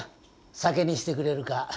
酒にしてくれるか？